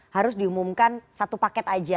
harus diumumkan satu paket aja